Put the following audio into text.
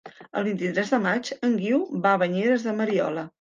El vint-i-tres de maig en Guiu va a Banyeres de Mariola.